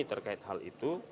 terkait hal itu